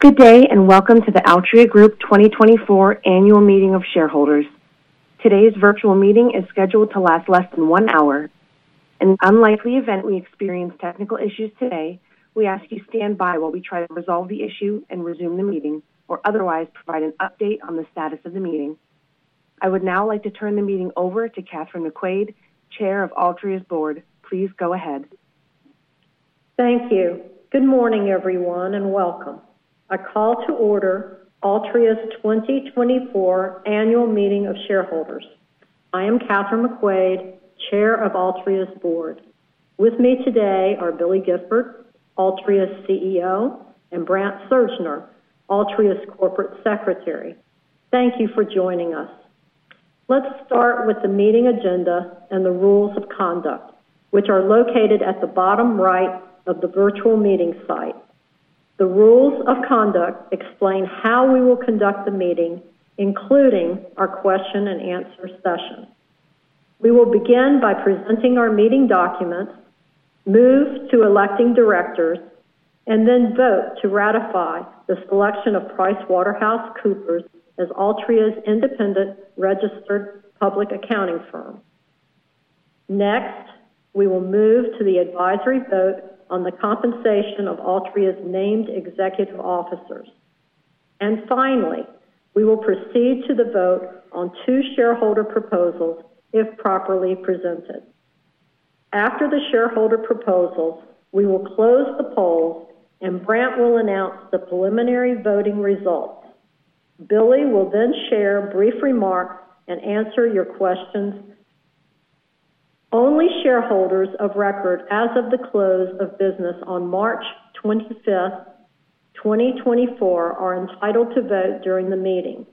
Good day, and welcome to the Altria Group 2024 Annual Meeting of Shareholders. Today's virtual meeting is scheduled to last less than one hour. In the unlikely event we experience technical issues today, we ask you stand by while we try to resolve the issue and resume the meeting or otherwise provide an update on the status of the meeting. I would now like to turn the meeting over to Kathryn McQuade, Chair of Altria's Board. Please go ahead. Thank you. Good morning, everyone, and welcome. I call to order Altria's 2024 Annual Meeting of Shareholders. I am Kathryn B. McQuade, Chair of Altria's Board. With me today are Billy Gifford, Altria's CEO, and Brandt Surgner, Altria's Corporate Secretary. Thank you for joining us. Let's start with the meeting agenda and the rules of conduct, which are located at the bottom right of the virtual meeting site. The rules of conduct explain how we will conduct the meeting, including our question and answer session. We will begin by presenting our meeting documents, move to electing directors, and then vote to ratify the selection of PricewaterhouseCoopers as Altria's independent registered public accounting firm. Next, we will move to the advisory vote on the compensation of Altria's named executive officers. And finally, we will proceed to the vote on two shareholder proposals, if properly presented. After the shareholder proposals, we will close the poll, and Brandt will announce the preliminary voting results. Billy will then share brief remarks and answer your questions. Only shareholders of record as of the close of business on March 25, 2024, are entitled to vote during the meeting.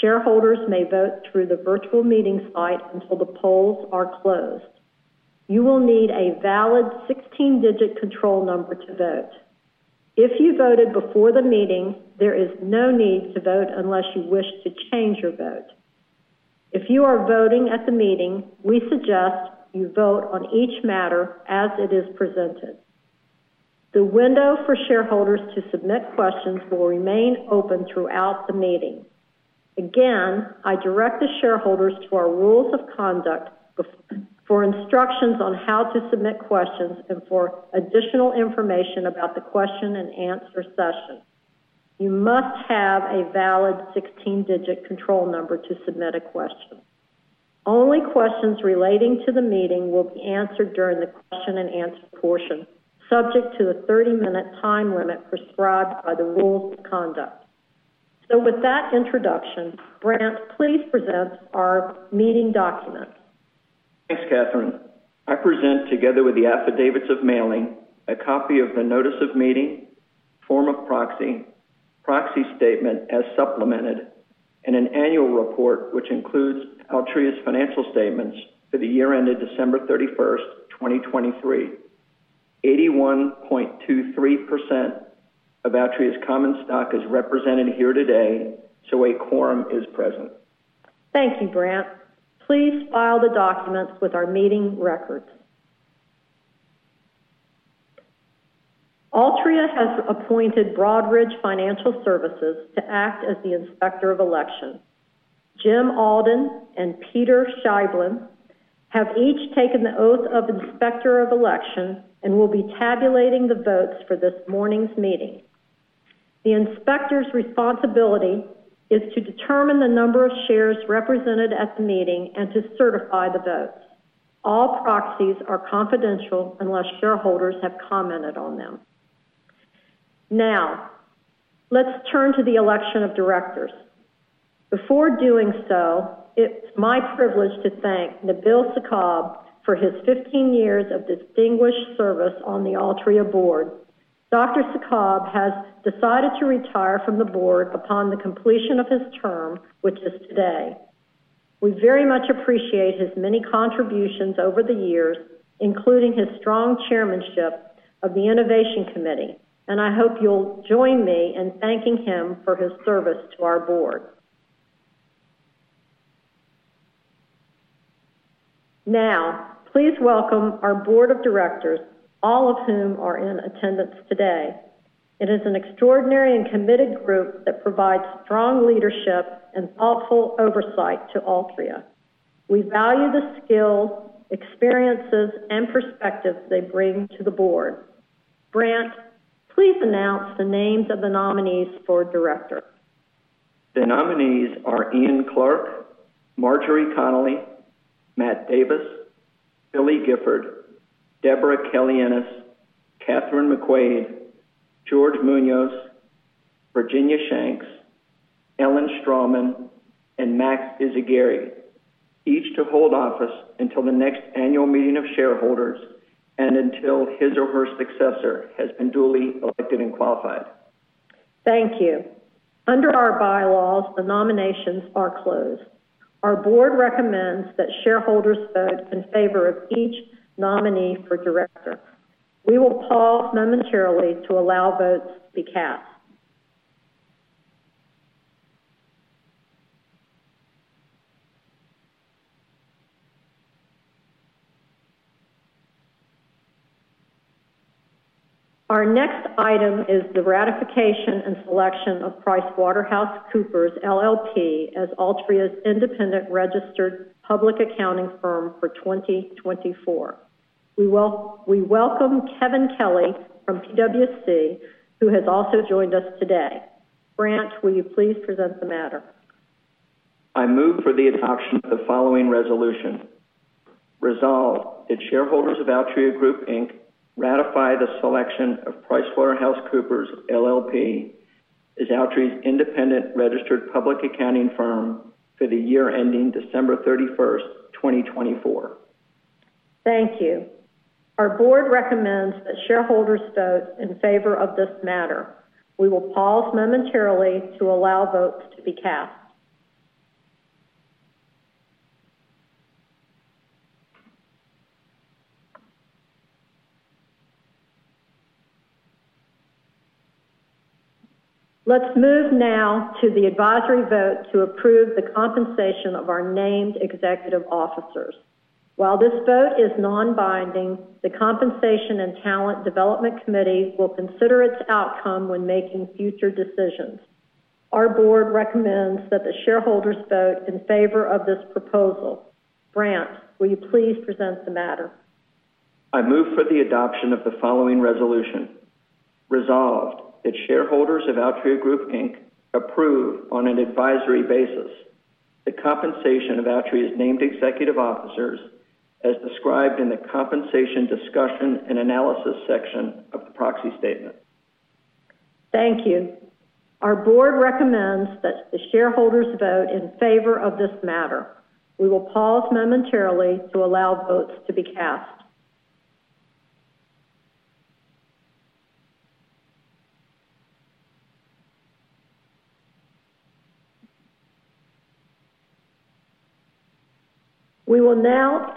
Shareholders may vote through the virtual meeting site until the polls are closed. You will need a valid 16-digit control number to vote. If you voted before the meeting, there is no need to vote unless you wish to change your vote. If you are voting at the meeting, we suggest you vote on each matter as it is presented. The window for shareholders to submit questions will remain open throughout the meeting. Again, I direct the shareholders to our rules of conduct for instructions on how to submit questions and for additional information about the question and answer session. You must have a valid 16-digit control number to submit a question. Only questions relating to the meeting will be answered during the question and answer portion, subject to the 30-minute time limit prescribed by the rules of conduct. With that introduction, Brandt, please present our meeting document. Thanks, Catherine. I present, together with the Affidavits of Mailing, a copy of the Notice of Meeting, Form of Proxy, Proxy Statement as supplemented, and an annual report, which includes Altria's financial statements for the year ended December 31, 2023. 81.23% of Altria's common stock is represented here today, so a quorum is present. Thank you, Brandt. Please file the documents with our meeting records. Altria has appointed Broadridge Financial Solutions to act as the Inspector of Election. Jim Alden and Peter Scheiblin have each taken the oath of Inspector of Election and will be tabulating the votes for this morning's meeting. The inspector's responsibility is to determine the number of shares represented at the meeting and to certify the votes. All proxies are confidential unless shareholders have commented on them. Now, let's turn to the election of directors. Before doing so, it's my privilege to thank Nabil Sakkab for his fifteen years of distinguished service on the Altria board. Dr. Sakkab has decided to retire from the board upon the completion of his term, which is today. We very much appreciate his many contributions over the years, including his strong chairmanship of the Innovation Committee, and I hope you'll join me in thanking him for his service to our board. Now, please welcome our board of directors, all of whom are in attendance today. It is an extraordinary and committed group that provides strong leadership and thoughtful oversight to Altria. We value the skill, experiences, and perspectives they bring to the board. Brandt, please announce the names of the nominees for director. The nominees are Ian L.T. Clarke, Marjorie M. Connelly, R. Matt Davis, Billy Gifford, Debra J. Kelly-Ennis, Kathryn B. McQuade, George Muñoz, Virginia E. Shanks, Ellen R. Strahlman, and M. Max Yzaguirre, each to hold office until the next annual meeting of shareholders and until his or her successor has been duly elected and qualified. Thank you. Under our bylaws, the nominations are closed. Our board recommends that shareholders vote in favor of each nominee for director. We will pause momentarily to allow votes to be cast. Our next item is the ratification and selection of PricewaterhouseCoopers LLP as Altria's independent registered public accounting firm for 2024. We welcome Kevin Kelly from PwC, who has also joined us today. Brandt, will you please present the matter? I move for the adoption of the following resolution. Resolved that shareholders of Altria Group, Inc. ratify the selection of PricewaterhouseCoopers LLP as Altria's independent registered public accounting firm for the year ending December 31st 2024. Thank you. Our board recommends that shareholders vote in favor of this matter. We will pause momentarily to allow votes to be cast. Let's move now to the advisory vote to approve the compensation of our named executive officers. While this vote is non-binding, the Compensation and Talent Development Committee will consider its outcome when making future decisions. Our board recommends that the shareholders vote in favor of this proposal. Brandt, will you please present the matter? I move for the adoption of the following resolution. Resolved that shareholders of Altria Group, Inc. approve on an advisory basis, the compensation of Altria's named executive officers as described in the Compensation Discussion and Analysis section of the Proxy Statement. Thank you. Our board recommends that the shareholders vote in favor of this matter. We will pause momentarily to allow votes to be cast. We will now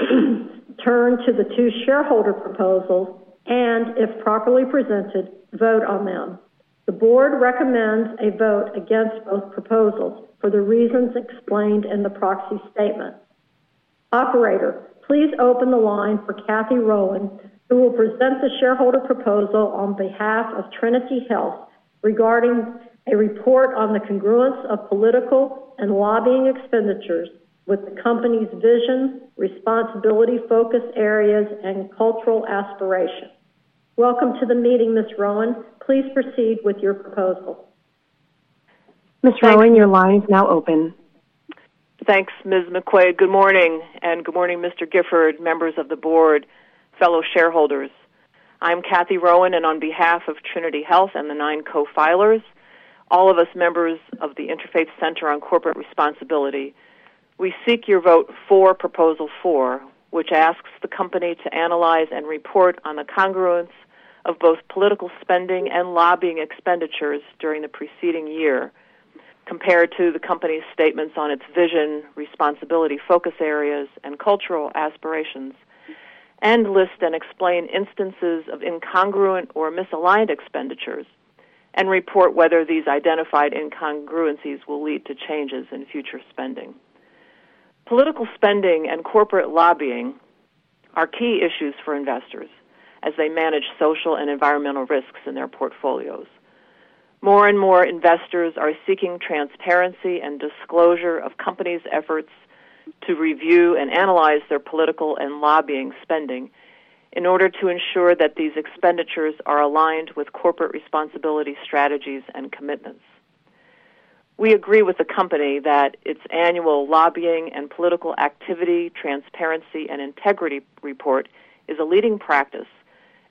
turn to the two shareholder proposals and, if properly presented, vote on them. The board recommends a vote against both proposals for the reasons explained in the proxy statement. Operator, please open the line for Cathy Rowan, who will present the shareholder proposal on behalf of Trinity Health, regarding a report on the congruence of political and lobbying expenditures with the company's vision, responsibility, focus areas, and cultural aspirations. Welcome to the meeting, Ms. Rowan. Please proceed with your proposal. Ms. Rowan, your line is now open. Thanks, Ms. McQuade. Good morning, and good morning, Mr. Gifford, members of the board, fellow shareholders. I'm Cathy Rowan, and on behalf of Trinity Health and the nine co-filers, all of us members of the Interfaith Center on Corporate Responsibility, we seek your vote for Proposal Four, which asks the company to analyze and report on the congruence of both political spending and lobbying expenditures during the preceding year, compared to the company's statements on its vision, responsibility, focus areas, and cultural aspirations, and list and explain instances of incongruent or misaligned expenditures, and report whether these identified incongruencies will lead to changes in future spending. Political spending and corporate lobbying are key issues for investors as they manage social and environmental risks in their portfolios. More and more investors are seeking transparency and disclosure of companies' efforts to review and analyze their political and lobbying spending in order to ensure that these expenditures are aligned with corporate responsibility, strategies, and commitments. We agree with the company that its annual lobbying and political activity, Transparency and Integrity Report, is a leading practice,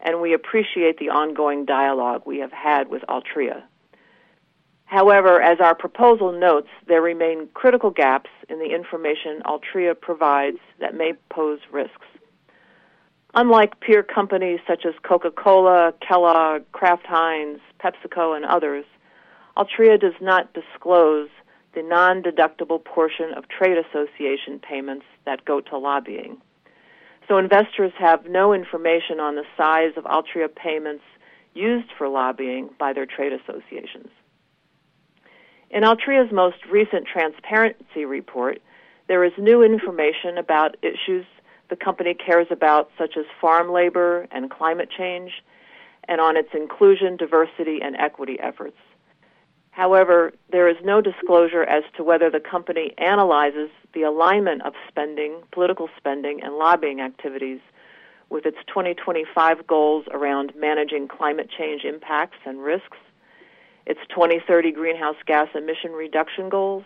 and we appreciate the ongoing dialogue we have had with Altria. However, as our proposal notes, there remain critical gaps in the information Altria provides that may pose risks. Unlike peer companies such as Coca-Cola, Kellogg, Kraft Heinz, PepsiCo, and others, Altria does not disclose the nondeductible portion of trade association payments that go to lobbying, so investors have no information on the size of Altria payments used for lobbying by their trade associations. In Altria's most recent transparency report, there is new information about issues the company cares about, such as farm labor and climate change, and on its inclusion, diversity, and equity efforts. However, there is no disclosure as to whether the company analyzes the alignment of spending, political spending, and lobbying activities with its 2025 goals around managing climate change impacts and risks, its 2030 greenhouse gas emission reduction goals,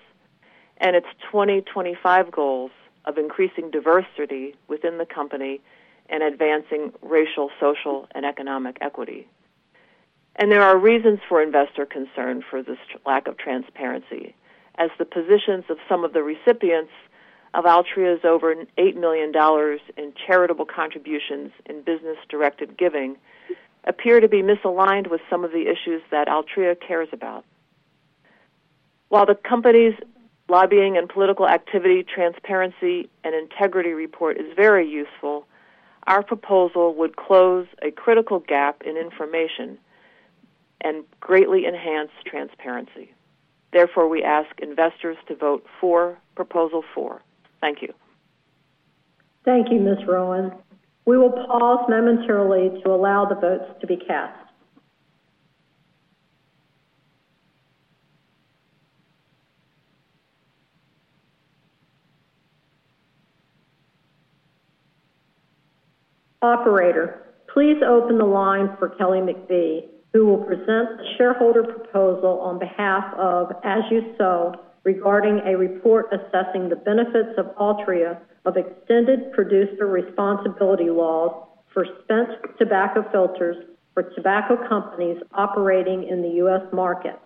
and its 2025 goals of increasing diversity within the company and advancing racial, social, and economic equity. And there are reasons for investor concern for this lack of transparency, as the positions of some of the recipients of Altria's over $8 million in charitable contributions in business-directed giving appear to be misaligned with some of the issues that Altria cares about. While the company's Lobbying and Political Activity, Transparency and Integrity Report is very useful, our proposal would close a critical gap in information. And greatly enhance transparency. Therefore, we ask investors to vote for Proposal Four. Thank you. Thank you, Ms. Rowan. We will pause momentarily to allow the votes to be cast. Operator, please open the line for Kelly McBee, who will present the shareholder proposal on behalf of As You Sow, regarding a report assessing the benefits to Altria of extended producer responsibility laws for spent tobacco filters for tobacco companies operating in the U.S. market.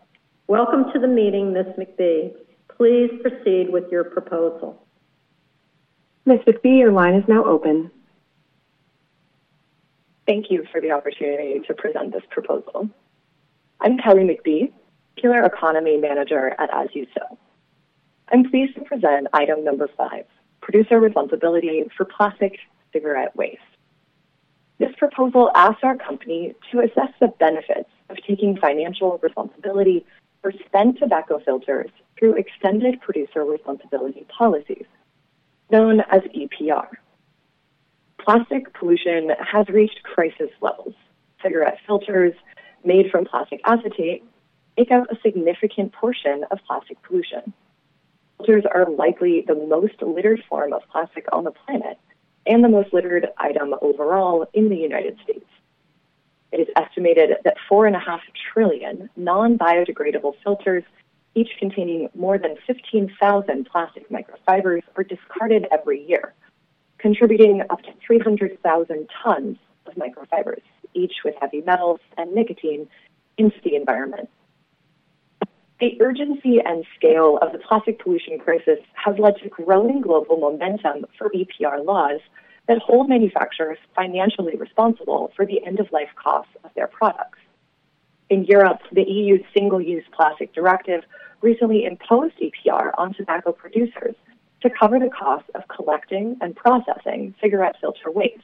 Welcome to the meeting, Ms. McBee. Please proceed with your proposal. Ms. McBee, your line is now open. Thank you for the opportunity to present this proposal. I'm Kelly McBee, Circular Economy Manager at As You Sow. I'm pleased to present item number 5, Producer Responsibility for Plastic Cigarette Waste. This proposal asks our company to assess the benefits of taking financial responsibility for spent tobacco filters through extended producer responsibility policies, known as EPR. Plastic pollution has reached crisis levels. Cigarette filters made from plastic acetate make up a significant portion of plastic pollution. Filters are likely the most littered form of plastic on the planet and the most littered item overall in the United States. It is estimated that 4.5 trillion non-biodegradable filters, each containing more than 15,000 plastic microfibers, are discarded every year, contributing up to 300,000 tons of microfibers, each with heavy metals and nicotine, into the environment. The urgency and scale of the plastic pollution crisis has led to growing global momentum for EPR laws that hold manufacturers financially responsible for the end-of-life costs of their products. In Europe, the EU's Single-Use Plastic Directive recently imposed EPR on tobacco producers to cover the cost of collecting and processing cigarette filter waste.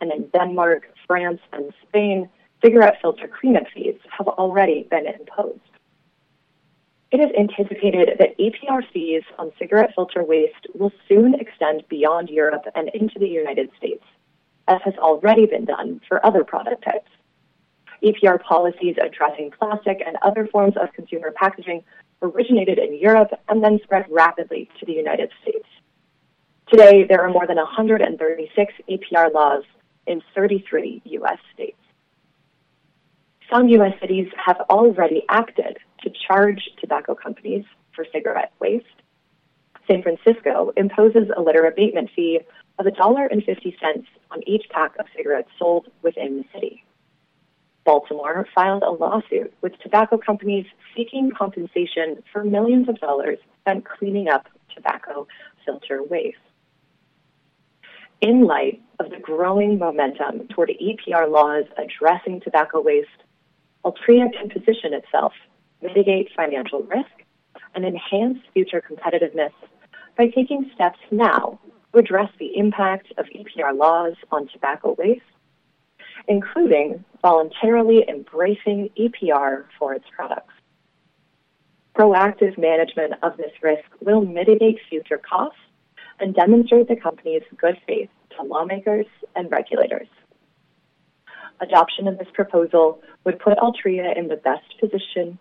In Denmark, France, and Spain, cigarette filter cleanup fees have already been imposed. It is anticipated that EPR fees on cigarette filter waste will soon extend beyond Europe and into the United States, as has already been done for other product types. EPR policies addressing plastic and other forms of consumer packaging originated in Europe and then spread rapidly to the United States. Today, there are more than 136 EPR laws in 33 U.S. states. Some U.S. cities have already acted to charge tobacco companies for cigarette waste. San Francisco imposes a litter abatement fee of $1.50 on each pack of cigarettes sold within the city. Baltimore filed a lawsuit with tobacco companies seeking compensation for $ millions spent cleaning up tobacco filter waste. In light of the growing momentum toward EPR laws addressing tobacco waste, Altria can position itself, mitigate financial risk, and enhance future competitiveness by taking steps now to address the impact of EPR laws on tobacco waste, including voluntarily embracing EPR for its products. Proactive management of this risk will mitigate future costs and demonstrate the company's good faith to lawmakers and regulators. Adoption of this proposal would put Altria in the best position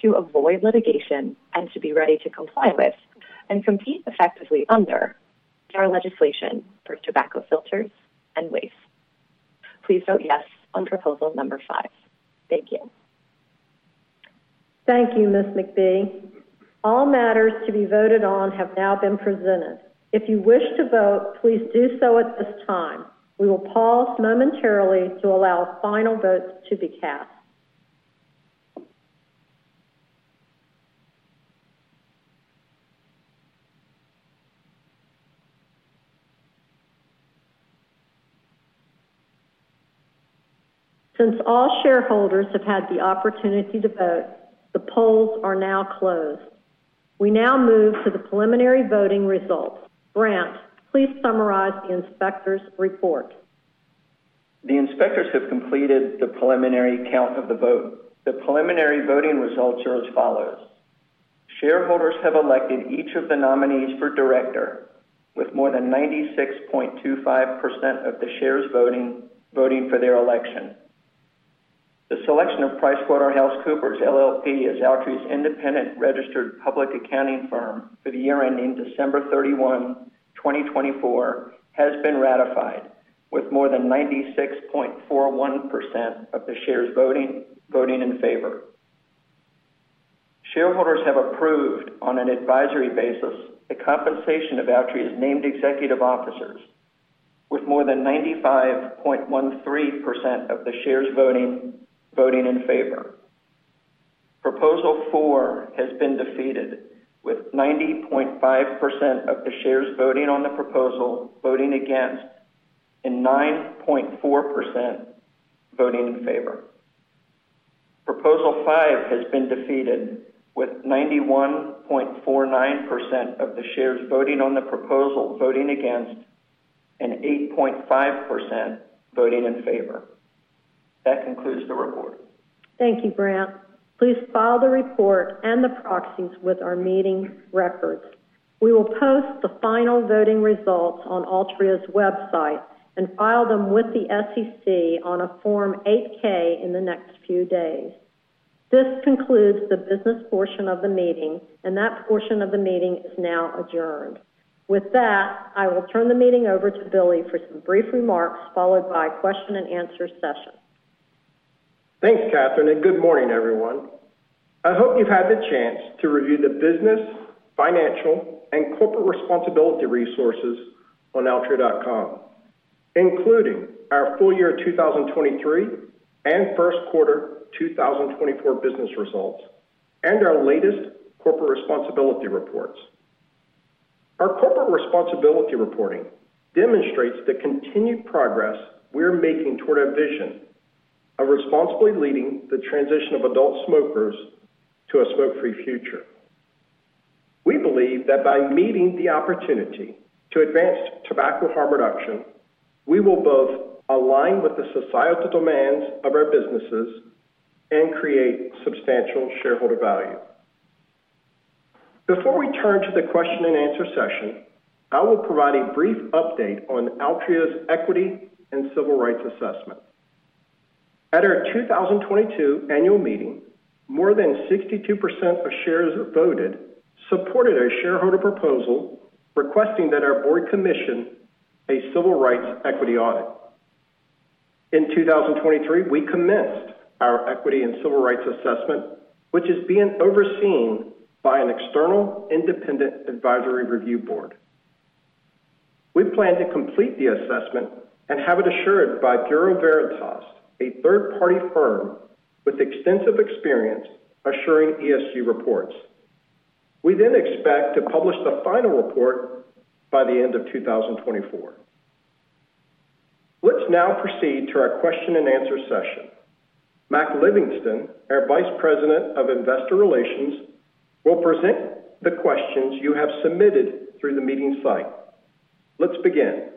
to avoid litigation and to be ready to comply with and compete effectively under our legislation for tobacco filters and waste. Please vote yes on proposal number five. Thank you. Thank you, Ms. McBee. All matters to be voted on have now been presented. If you wish to vote, please do so at this time. We will pause momentarily to allow final votes to be cast. Since all shareholders have had the opportunity to vote, the polls are now closed. We now move to the preliminary voting results. Brandt, please summarize the inspector's report. The inspectors have completed the preliminary count of the vote. The preliminary voting results are as follows: Shareholders have elected each of the nominees for director with more than 96.25% of the shares voting, voting for their election. The selection of PricewaterhouseCoopers LLP as Altria's independent registered public accounting firm for the year ending December 31, 2024, has been ratified with more than 96.41% of the shares voting, voting in favor. Shareholders have approved, on an advisory basis, the compensation of Altria's named executive officers with more than 95.13% of the shares voting, voting in favor. Proposal Four has been defeated with 90.5% of the shares voting on the proposal voting against, and 9.4% voting in favor. Proposal Five has been defeated with 91.49% of the shares voting on the proposal voting against. And 8.5% voting in favor. That concludes the report. Thank you, Brandt. Please file the report and the proxies with our meeting records. We will post the final voting results on Altria's website and file them with the SEC on a Form 8-K in the next few days. This concludes the business portion of the meeting, and that portion of the meeting is now adjourned. With that, I will turn the meeting over to Billy for some brief remarks, followed by a question and answer session. Thanks, Catherine, and good morning, everyone. I hope you've had the chance to review the business, financial, and corporate responsibility resources on Altria.com, including our full year 2023 and first quarter 2024 Business Results, and our latest Corporate Responsibility Reports. Our corporate responsibility reporting demonstrates the continued progress we're making toward our vision of responsibly leading the transition of adult smokers to a smoke-free future. We believe that by meeting the opportunity to advance tobacco harm reduction, we will both align with the societal demands of our businesses and create substantial shareholder value. Before we turn to the question and answer session, I will provide a brief update on Altria's Equity and Civil Rights Assessment. At our 2022 annual meeting, more than 62% of shares voted, supported a shareholder proposal requesting that our board commission a civil rights equity audit. In 2023, we commenced our Equity and Civil Rights Assessment, which is being overseen by an external independent advisory review board. We plan to complete the assessment and have it assured by Bureau Veritas, a third-party firm with extensive experience assuring ESG reports. We then expect to publish the final report by the end of 2024. Let's now proceed to our question and answer session. Mac Livingston, our Vice President of Investor Relations, will present the questions you have submitted through the meeting site. Let's begin.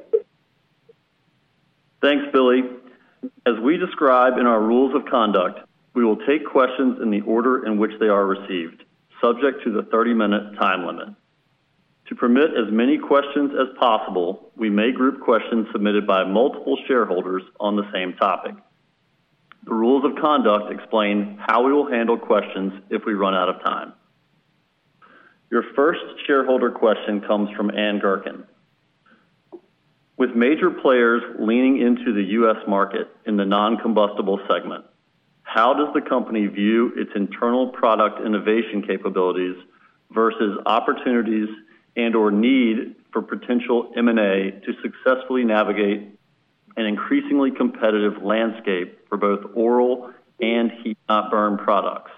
Thanks, Billy. As we describe in our rules of conduct, we will take questions in the order in which they are received, subject to the 30-minute time limit. To permit as many questions as possible, we may group questions submitted by multiple shareholders on the same topic. The rules of conduct explain how we will handle questions if we run out of time. Your first shareholder question comes from Anne Gerkin: With major players leaning into the U.S. market in the non-combustible segment, how does the company view its internal product innovation capabilities versus opportunities and/or need for potential M&A to successfully navigate an increasingly competitive landscape for both oral and heat-not-burn products?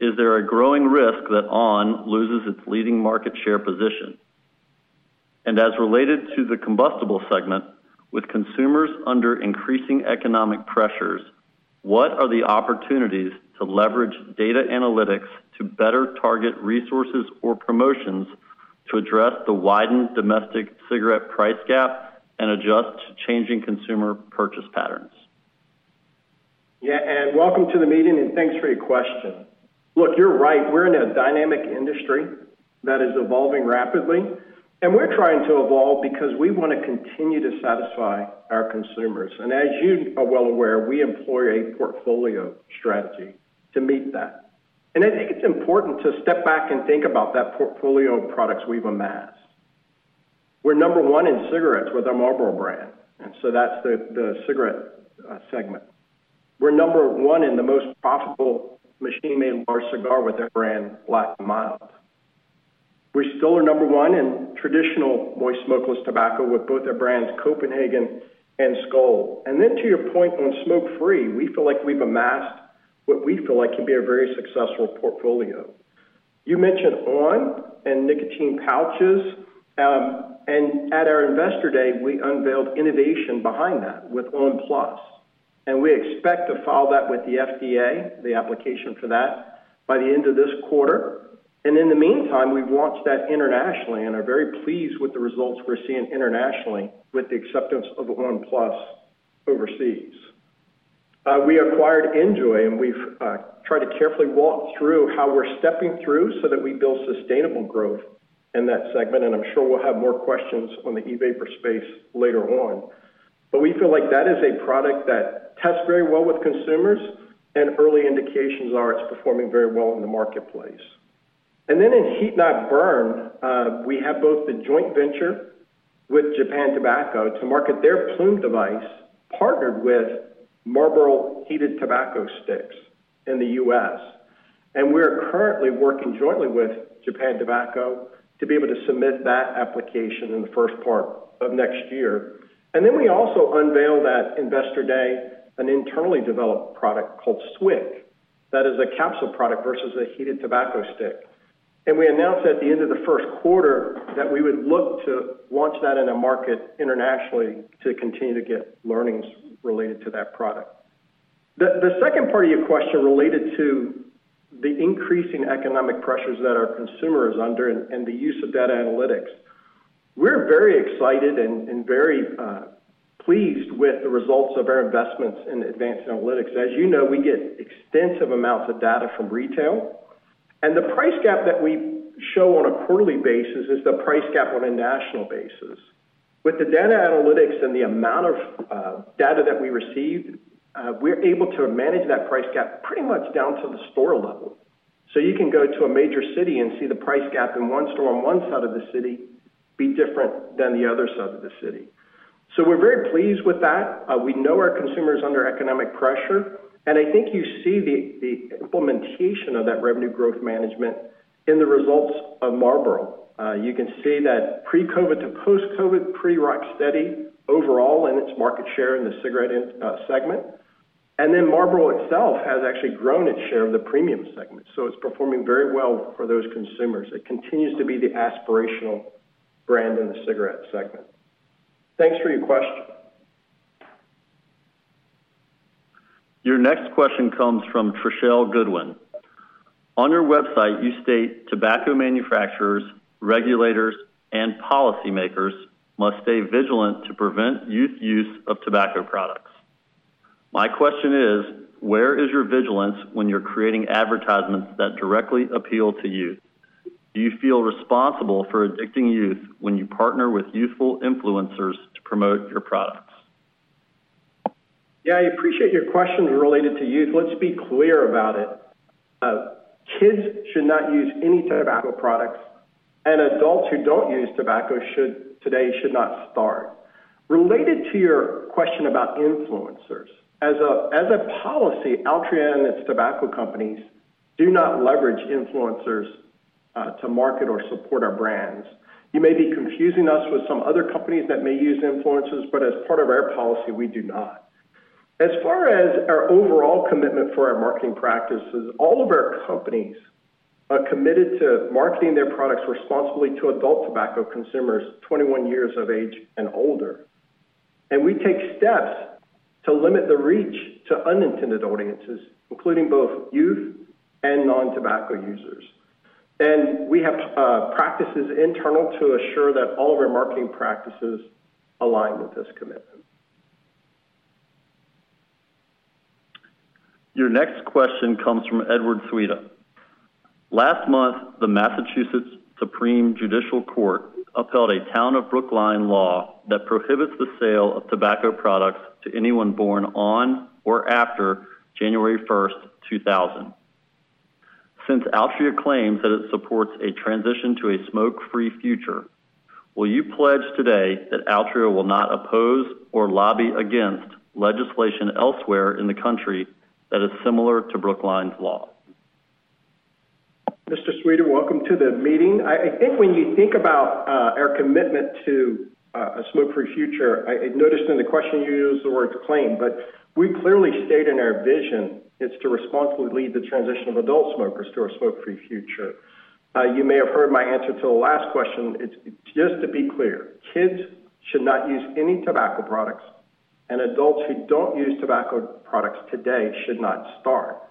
Is there a growing risk that on! loses its leading market share position? As related to the combustible segment, with consumers under increasing economic pressures, what are the opportunities to leverage data analytics to better target resources or promotions to address the widened domestic cigarette price gap and adjust to changing consumer purchase patterns? Yeah, and welcome to the meeting, and thanks for your question. Look, you're right. We're in a dynamic industry that is evolving rapidly, and we're trying to evolve because we want to continue to satisfy our consumers. And as you are well aware, we employ a portfolio strategy to meet that. And I think it's important to step back and think about that portfolio of products we've amassed. We're number one in cigarettes with our Marlboro brand, and so that's the, the cigarette, segment. We're number one in the most profitable machine-made large cigar with our brand, Black & Mild. We still are number one in traditional moist smokeless tobacco with both our brands, Copenhagen and Skoal. And then to your point on smoke-free, we feel like we've amassed what we feel like can be a very successful portfolio. You mentioned on! and Nicotine Pouches, and at our Investor Day, we unveiled innovation behind that with on! PLUS, and we expect to file that with the FDA, the application for that, by the end of this quarter. And in the meantime, we've launched that internationally and are very pleased with the results we're seeing internationally with the acceptance of on! PLUS overseas. We acquired NJOY, and we've tried to carefully walk through how we're stepping through so that we build sustainable growth in that segment, and I'm sure we'll have more questions on the e-vapor space later on. But we feel like that is a product that tests very well with consumers, and early indications are it's performing very well in the marketplace. Then in heat-not-burn, we have both the joint venture with Japan Tobacco to market their Ploom device, partnered with Marlboro Heated Tobacco Sticks in the U.S. We are currently working jointly with Japan Tobacco to be able to submit that application in the first part of next year. Then we also unveiled at Investor Day an internally developed product called SWIC that is a capsule product versus a heated tobacco stick. We announced at the end of the first quarter that we would look to launch that in a market internationally to continue to get learnings related to that product... The second part of your question related to the increasing economic pressures that our consumer is under and the use of data analytics. We're very excited and very pleased with the results of our investments in advanced analytics. As you know, we get extensive amounts of data from retail, and the price gap that we show on a quarterly basis is the price gap on a national basis. With the data analytics and the amount of data that we receive, we're able to manage that price gap pretty much down to the store level. So you can go to a major city and see the price gap in one store on one side of the city be different than the other side of the city. So we're very pleased with that. We know our consumer is under economic pressure, and I think you see the implementation of that revenue growth management in the results of Marlboro. You can see that pre-COVID to post-COVID, pretty rock steady overall in its market share in the cigarette segment. Then Marlboro itself has actually grown its share of the premium segment, so it's performing very well for those consumers. It continues to be the aspirational brand in the cigarette segment. Thanks for your question. Your next question comes from Trishelle Goodwin. On your website, you state, "Tobacco manufacturers, regulators, and policymakers must stay vigilant to prevent youth use of tobacco products." My question is: where is your vigilance when you're creating advertisements that directly appeal to youth? Do you feel responsible for addicting youth when you partner with youthful influencers to promote your products? Yeah, I appreciate your question related to youth. Let's be clear about it. Kids should not use any tobacco products, and adults who don't use tobacco should, today, should not start. Related to your question about influencers, as a, as a policy, Altria and its tobacco companies do not leverage influencers to market or support our brands. You may be confusing us with some other companies that may use influencers, but as part of our policy, we do not. As far as our overall commitment for our marketing practices, all of our companies are committed to marketing their products responsibly to adult tobacco consumers 21 years of age and older. We take steps to limit the reach to unintended audiences, including both youth and non-tobacco users. We have practices internal to assure that all of our marketing practices align with this commitment. Your next question comes from Edward Sweeda. Last month, the Massachusetts Supreme Judicial Court upheld a town of Brookline law that prohibits the sale of tobacco products to anyone born on or after January 1, 2000. Since Altria claims that it supports a transition to a smoke-free future, will you pledge today that Altria will not oppose or lobby against legislation elsewhere in the country that is similar to Brookline's law? Mr. Sweeda, welcome to the meeting. I think when you think about our commitment to a smoke-free future, I noticed in the question you used the word claim, but we clearly state in our vision, it's to responsibly lead the transition of adult smokers to a smoke-free future. You may have heard my answer to the last question. It's just to be clear, kids should not use any tobacco products, and adults who don't use tobacco products today should not start.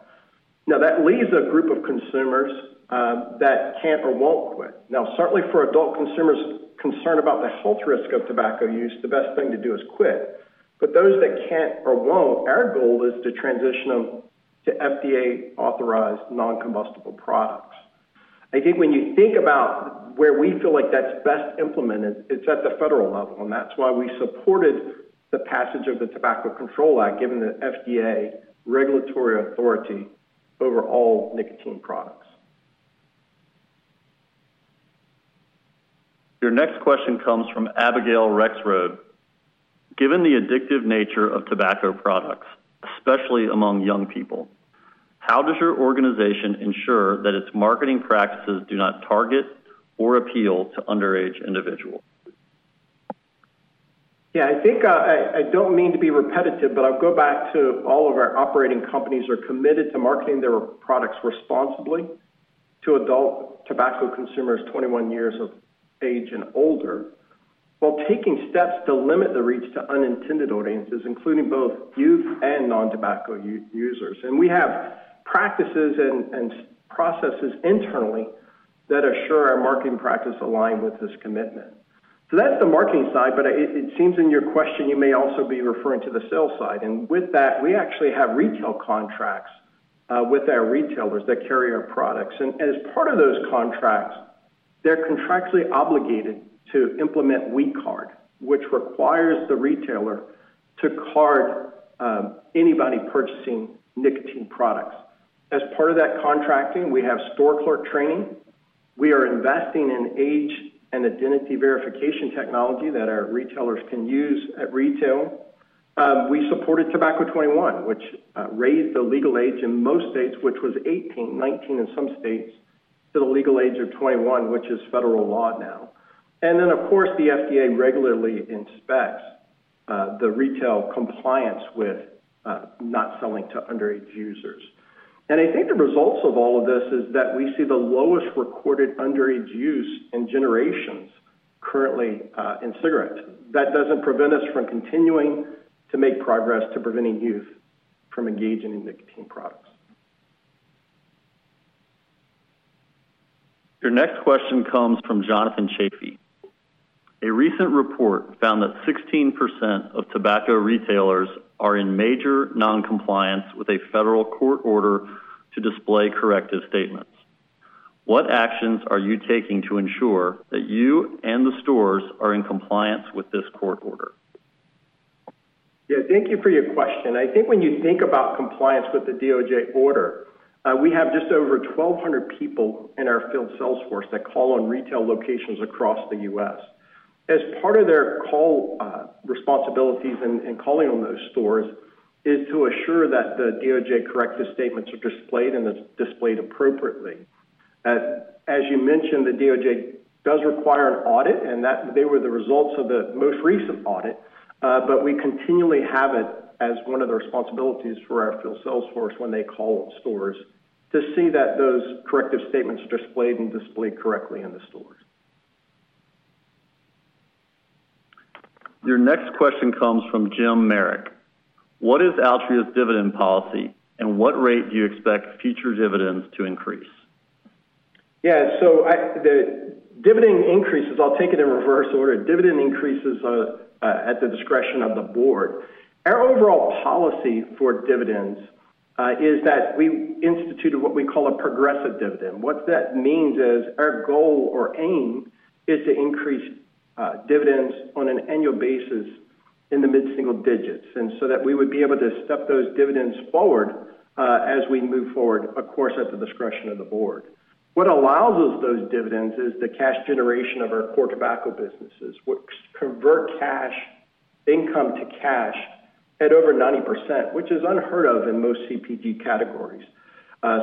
Now, that leaves a group of consumers that can't or won't quit. Now, certainly for adult consumers concerned about the health risk of tobacco use, the best thing to do is quit. But those that can't or won't, our goal is to transition them to FDA-authorized non-combustible products. I think when you think about where we feel like that's best implemented, it's at the federal level, and that's why we supported the passage of the Tobacco Control Act, giving the FDA regulatory authority over all nicotine products. Your next question comes from Abigail Rexroad. Given the addictive nature of tobacco products, especially among young people, how does your organization ensure that its marketing practices do not target or appeal to underage individuals? Yeah, I think, I don't mean to be repetitive, but I'll go back to all of our operating companies are committed to marketing their products responsibly to adult tobacco consumers 21 years of age and older, while taking steps to limit the reach to unintended audiences, including both youth and non-tobacco users. And we have practices and processes internally that assure our marketing practice align with this commitment. So that's the marketing side, but it seems in your question, you may also be referring to the sales side. And with that, we actually have retail contracts with our retailers that carry our products. And as part of those contracts, they're contractually obligated to implement We Card, which requires the retailer to card anybody purchasing nicotine products. As part of that contracting, we have store clerk training. We are investing in age and identity verification technology that our retailers can use at retail. We supported Tobacco 21, which raised the legal age in most states, which was 18, 19 in some states, to the legal age of 21, which is federal law now. And then, of course, the FDA regularly inspects the retail compliance with not selling to underage users. And I think the results of all of this is that we see the lowest recorded underage use in generations... currently in cigarettes. That doesn't prevent us from continuing to make progress to preventing youth from engaging in nicotine products. Your next question comes from Jonathan Chafee. A recent report found that 16% of tobacco retailers are in major non-compliance with a federal court order to display corrective statements. What actions are you taking to ensure that you and the stores are in compliance with this court order? Yeah, thank you for your question. I think when you think about compliance with the DOJ order, we have just over 1,200 people in our field sales force that call on retail locations across the U.S. As part of their call, responsibilities and calling on those stores, is to assure that the DOJ corrective statements are displayed and is displayed appropriately. As you mentioned, the DOJ does require an audit, and that they were the results of the most recent audit, but we continually have it as one of the responsibilities for our field sales force when they call stores, to see that those corrective statements are displayed and displayed correctly in the stores. Your next question comes from Jim Merrick. What is Altria's dividend policy, and what rate do you expect future dividends to increase? Yeah, so the dividend increases, I'll take it in reverse order. Dividend increases are at the discretion of the board. Our overall policy for dividends is that we've instituted what we call a progressive dividend. What that means is our goal or aim is to increase dividends on an annual basis in the mid-single digits, and so that we would be able to step those dividends forward as we move forward, of course, at the discretion of the board. What allows us those dividends is the cash generation of our core tobacco businesses, which convert cash income to cash at over 90%, which is unheard of in most CPG categories.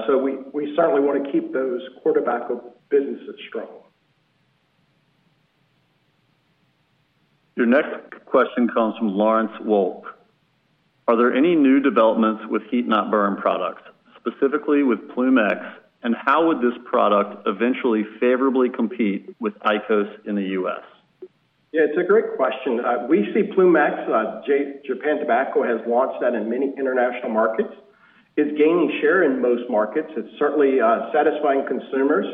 So we certainly want to keep those core tobacco businesses strong. Your next question comes from Lawrence Wolk. Are there any new developments with heat-not-burn products, specifically with Ploom X, and how would this product eventually favorably compete with IQOS in the U.S.? Yeah, it's a great question. We see Ploom X. Japan Tobacco has launched that in many international markets. It's gaining share in most markets. It's certainly satisfying consumers.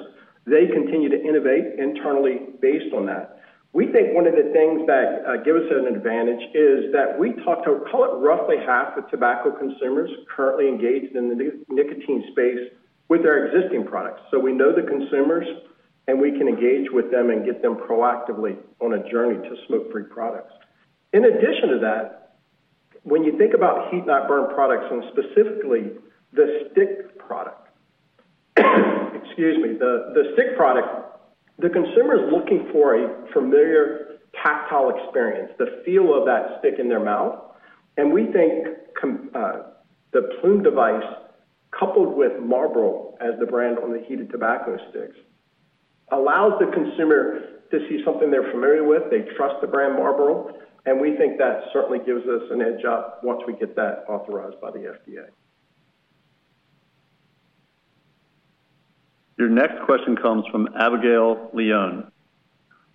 They continue to innovate internally based on that. We think one of the things that give us an advantage is that we talk to, call it, roughly half of tobacco consumers currently engaged in the nicotine space with our existing products. So we know the consumers, and we can engage with them and get them proactively on a journey to smoke-free products. In addition to that, when you think about heat-not-burn products, and specifically the stick product, excuse me, the stick product, the consumer is looking for a familiar tactile experience, the feel of that stick in their mouth. We think the Ploom device, coupled with Marlboro as the brand on the heated tobacco sticks, allows the consumer to see something they're familiar with. They trust the brand Marlboro, and we think that certainly gives us an edge up once we get that authorized by the FDA. Your next question comes from Abigail Leone.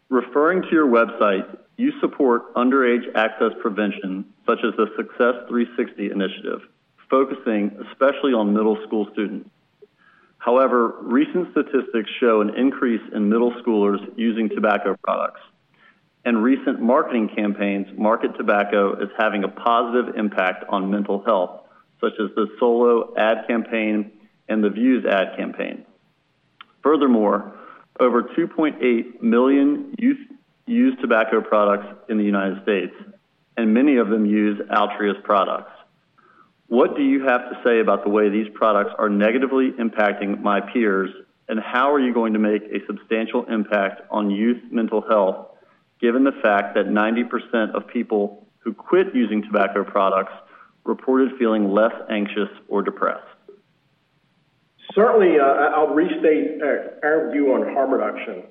Referring to your website, you support underage access prevention, such as the Success360 initiative, focusing especially on middle school students. However, recent statistics show an increase in middle schoolers using tobacco products, and recent marketing campaigns market tobacco as having a positive impact on mental health, such as the Solo ad campaign and the Views ad campaign. Furthermore, over 2.8 million youth use tobacco products in the United States, and many of them use Altria's products. What do you have to say about the way these products are negatively impacting my peers, and how are you going to make a substantial impact on youth mental health, given the fact that 90% of people who quit using tobacco products reported feeling less anxious or depressed? Certainly, I'll restate our view on harm reduction.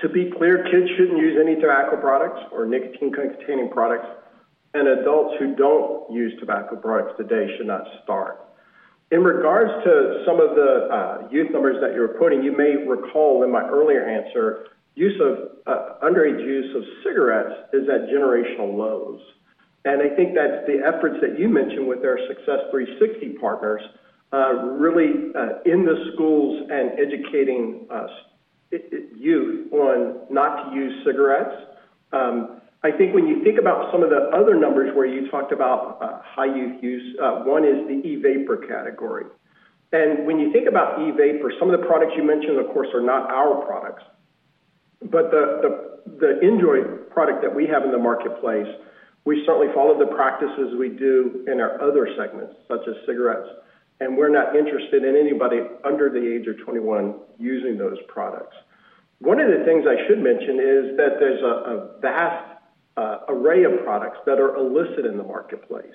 To be clear, kids shouldn't use any tobacco products or nicotine-containing products, and adults who don't use tobacco products today should not start. In regards to some of the youth numbers that you're quoting, you may recall in my earlier answer, underage use of cigarettes is at generational lows. And I think that the efforts that you mentioned with our Success360 partners really in the schools and educating youth on not to use cigarettes. I think when you think about some of the other numbers where you talked about high youth use, one is the e-vapor category. And when you think about e-vapor, some of the products you mentioned, of course, are not our products. But the NJOY product that we have in the marketplace, we certainly follow the practices we do in our other segments, such as cigarettes, and we're not interested in anybody under the age of 21 using those products. One of the things I should mention is that there's a vast array of products that are illicit in the marketplace.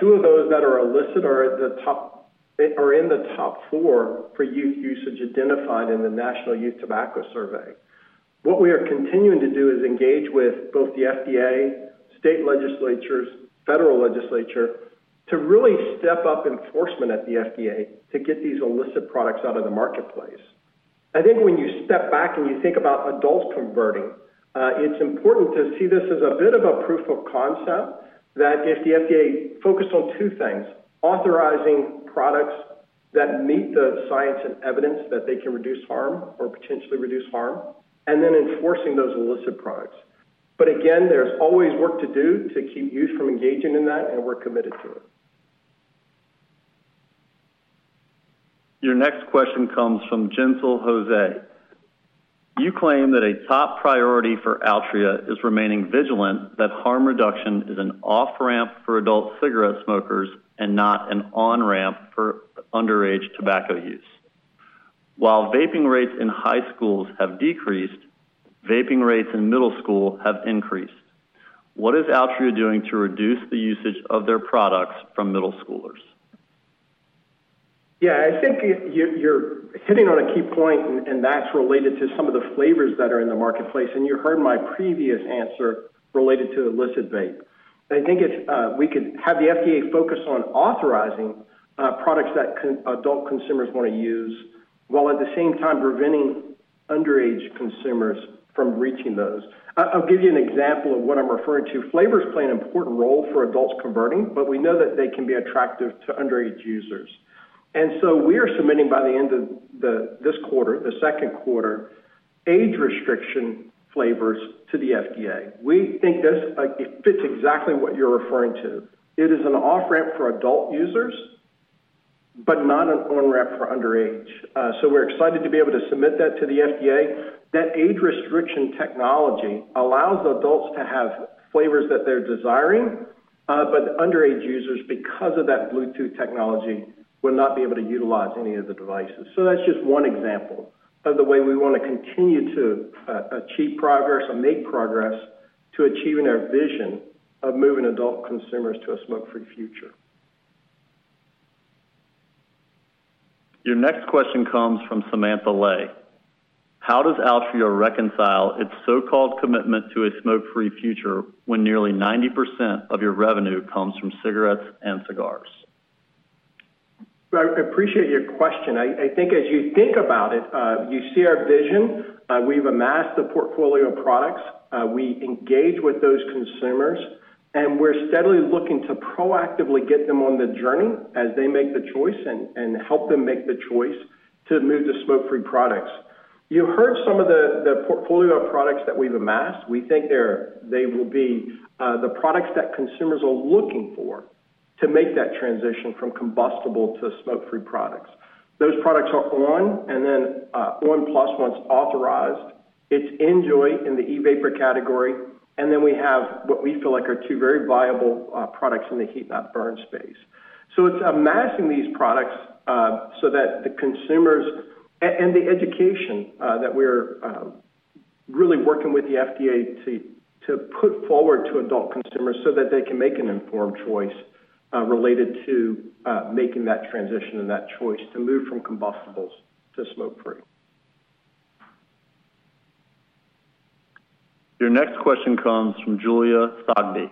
Two of those that are illicit are at the top... are in the top four for youth usage identified in the National Youth Tobacco Survey. What we are continuing to do is engage with both the FDA, state legislatures, federal legislature,... to really step up enforcement at the FDA to get these illicit products out of the marketplace. I think when you step back and you think about adults converting, it's important to see this as a bit of a proof of concept, that if the FDA focused on two things: authorizing products that meet the science and evidence that they can reduce harm or potentially reduce harm, and then enforcing those illicit products. But again, there's always work to do to keep youth from engaging in that, and we're committed to it. Your next question comes from Gentile Jose. You claim that a top priority for Altria is remaining vigilant, that harm reduction is an off-ramp for adult cigarette smokers and not an on-ramp for underage tobacco use. While vaping rates in high schools have decreased, vaping rates in middle school have increased. What is Altria doing to reduce the usage of their products from middle schoolers? Yeah, I think you're hitting on a key point, and that's related to some of the flavors that are in the marketplace, and you heard my previous answer related to illicit vape. I think it's we could have the FDA focus on authorizing products that adult consumers want to use, while at the same time preventing underage consumers from reaching those. I'll give you an example of what I'm referring to. Flavors play an important role for adults converting, but we know that they can be attractive to underage users. And so we are submitting by the end of this quarter, the second quarter, age restriction flavors to the FDA. We think this fits exactly what you're referring to. It is an off-ramp for adult users, but not an on-ramp for underage. So we're excited to be able to submit that to the FDA. That age restriction technology allows adults to have flavors that they're desiring, but underage users, because of that Bluetooth technology, will not be able to utilize any of the devices. So that's just one example of the way we want to continue to achieve progress or make progress to achieving our vision of moving adult consumers to a smoke-free future. Your next question comes from Samantha Lay. How does Altria reconcile its so-called commitment to a smoke-free future when nearly 90% of your revenue comes from cigarettes and cigars? I appreciate your question. I, I think as you think about it, you see our vision. We've amassed a portfolio of products, we engage with those consumers, and we're steadily looking to proactively get them on the journey as they make the choice, and help them make the choice to move to smoke-free products. You heard some of the portfolio of products that we've amassed. We think they will be the products that consumers are looking for to make that transition from combustible to smoke-free products. Those products are on!, and then on! PLUS, once authorized, it's NJOY in the e-vapor category, and then we have what we feel like are two very viable products in the heat-not-burn space. So it's amassing these products, so that the consumers... and the education that we're really working with the FDA to put forward to adult consumers so that they can make an informed choice related to making that transition and that choice to move from combustibles to smoke-free. Your next question comes from Julia Sogby.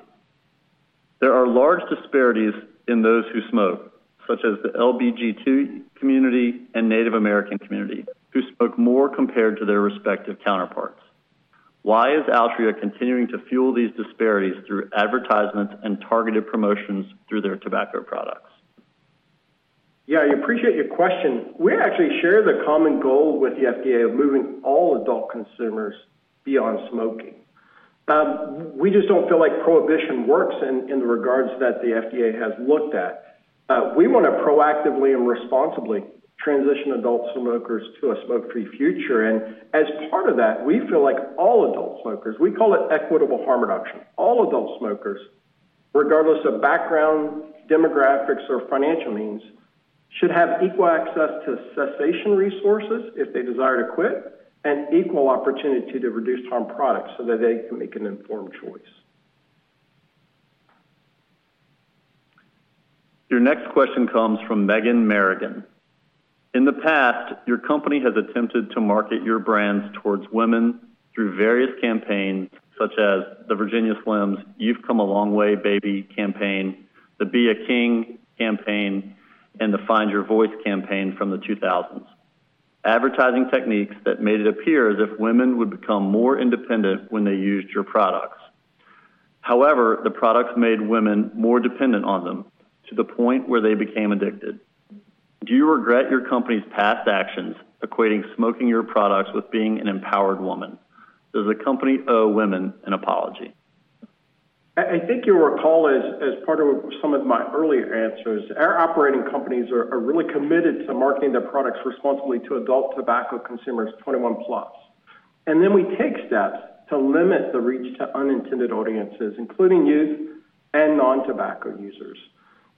There are large disparities in those who smoke, such as the LGBTQ community and Native American community, who smoke more compared to their respective counterparts. Why is Altria continuing to fuel these disparities through advertisements and targeted promotions through their tobacco products? Yeah, I appreciate your question. We actually share the common goal with the FDA of moving all adult consumers beyond smoking. We just don't feel like prohibition works in the regards that the FDA has looked at. We want to proactively and responsibly transition adult smokers to a smoke-free future, and as part of that, we feel like all adult smokers, we call it equitable harm reduction. All adult smokers, regardless of background, demographics, or financial means, should have equal access to cessation resources if they desire to quit, and equal opportunity to reduce harm products so that they can make an informed choice. Your next question comes from Megan Merrigan. In the past, your company has attempted to market your brands towards women through various campaigns, such as the Virginia Slims, You've Come a Long Way, Baby campaign, the Be a King campaign, and the Find Your Voice campaign from the 2000s, advertising techniques that made it appear as if women would become more independent when they used your products. However, the products made women more dependent on them to the point where they became addicted. Do you regret your company's past actions equating smoking your products with being an empowered woman? Does the company owe women an apology? I think you'll recall, as part of some of my earlier answers, our operating companies are really committed to marketing their products responsibly to adult tobacco consumers, 21+. And then we take steps to limit the reach to unintended audiences, including youth and non-tobacco users.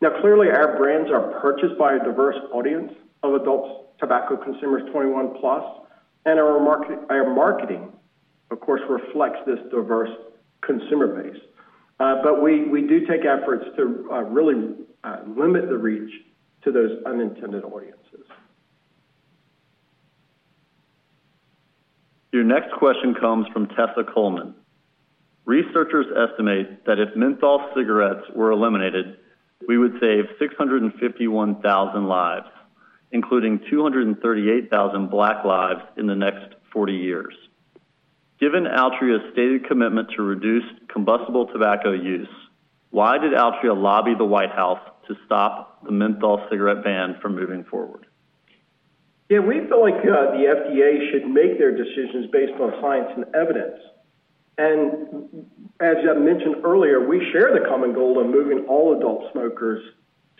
Now, clearly, our brands are purchased by a diverse audience of adults, tobacco consumers, 21+, and our marketing, of course, reflects this diverse consumer base. But we do take efforts to really limit the reach to those unintended audience.... Your next question comes from Tessa Coleman. Researchers estimate that if menthol cigarettes were eliminated, we would save 651,000 lives, including 238,000 black lives in the next 40 years. Given Altria's stated commitment to reduce combustible tobacco use, why did Altria lobby the White House to stop the menthol cigarette ban from moving forward? Yeah, we feel like, the FDA should make their decisions based on science and evidence. And as I mentioned earlier, we share the common goal of moving all adult smokers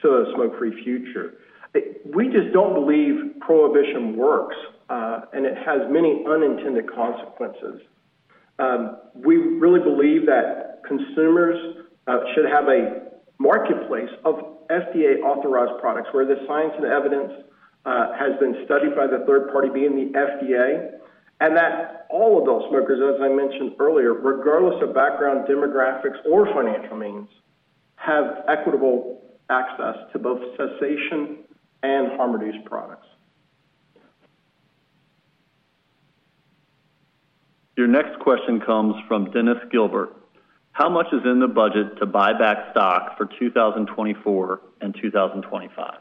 to a smoke-free future. We just don't believe prohibition works, and it has many unintended consequences. We really believe that consumers should have a marketplace of FDA-authorized products, where the science and evidence has been studied by the third party, being the FDA, and that all adult smokers, as I mentioned earlier, regardless of background, demographics, or financial means, have equitable access to both cessation and harm reduced products. Your next question comes from Dennis Gilbert. How much is in the budget to buy back stock for 2024 and 2025?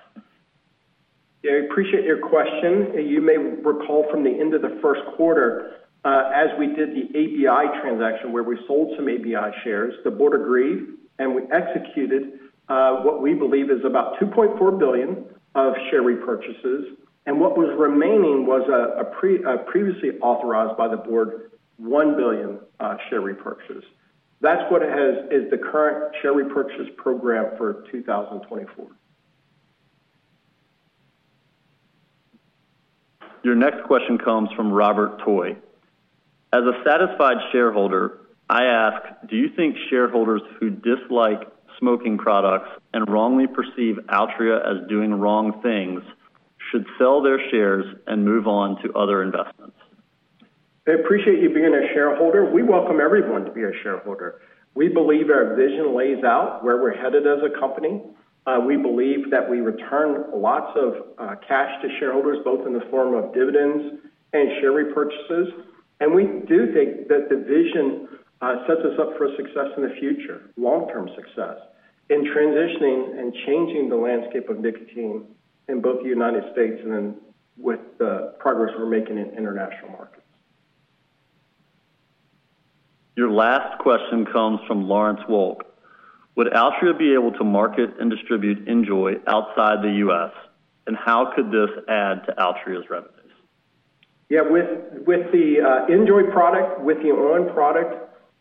Yeah, I appreciate your question, and you may recall from the end of the first quarter, as we did the ABI transaction, where we sold some ABI shares, the board agreed, and we executed what we believe is about $2.4 billion of share repurchases, and what was remaining was a previously authorized by the board $1 billion share repurchases. That's what it has, is the current share repurchase program for 2024. Your next question comes from Robert Toy. As a satisfied shareholder, I ask, do you think shareholders who dislike smoking products and wrongly perceive Altria as doing wrong things should sell their shares and move on to other investments? I appreciate you being a shareholder. We welcome everyone to be a shareholder. We believe our vision lays out where we're headed as a company. We believe that we return lots of cash to shareholders, both in the form of dividends and share repurchases. And we do think that the vision sets us up for success in the future, long-term success, in transitioning and changing the landscape of nicotine in both the United States and then with the progress we're making in international markets. Your last question comes from Lawrence Wolk. Would Altria be able to market and distribute NJOY outside the U.S., and how could this add to Altria's revenues? Yeah, with, with the NJOY product, with the on! product,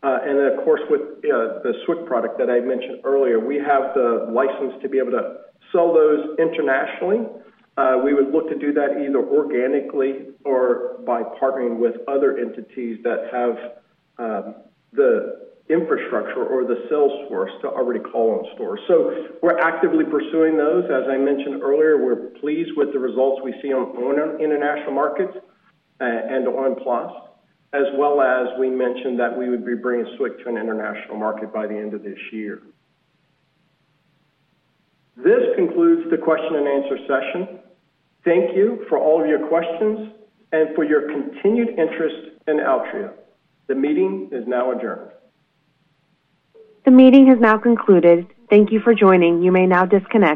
and then, of course, with the SWIC product that I mentioned earlier, we have the license to be able to sell those internationally. We would look to do that either organically or by partnering with other entities that have the infrastructure or the sales force to already call on stores. So we're actively pursuing those. As I mentioned earlier, we're pleased with the results we see on on! international markets, and on! PLUS, as well as we mentioned that we would be bringing SWIC to an international market by the end of this year. This concludes the question and answer session. Thank you for all of your questions and for your continued interest in Altria. The meeting is now adjourned. The meeting has now concluded. Thank you for joining. You may now disconnect.